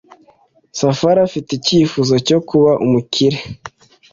Safari afite icyifuzo cyo kuba umukire.